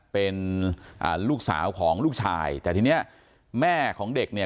เป็นอ่าลูกสาวของลูกชายแต่ทีเนี้ยแม่ของเด็กเนี่ย